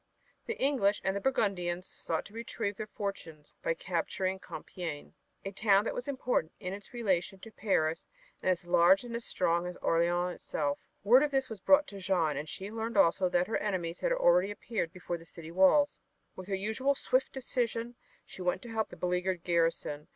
The English and the Burgundians sought to retrieve their fortunes by capturing Compiegne, a town that was important in its relation to Paris and as large and strong as Orleans itself. Word of this was brought to Jeanne, and she learned also that her enemies had already appeared before the city walls. With her usual swift decision she went to help the beleaguered garrison.